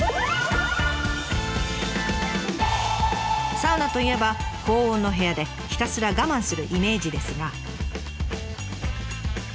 サウナといえば高温の部屋でひたすら我慢するイメージですが。